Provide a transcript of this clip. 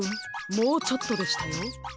もうちょっとでしたよ。